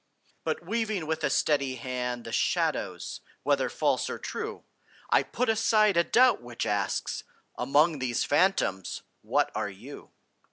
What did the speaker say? But weaving with a steady hand The shadows, whether false or true, I put aside a doubt which asks "Among these phantoms what are you?"